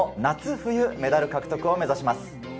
冬メダル獲得を目指します。